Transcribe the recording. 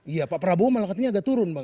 iya pak prabowo malah katanya agak turun bang